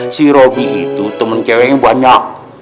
si roby itu temen ceweknya banyak